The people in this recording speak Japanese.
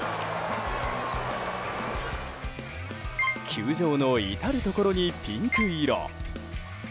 球場の至るところにピンク色。